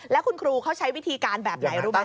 แล้วคุณครูเขาใช้วิธีการแบบไหนรู้ไหม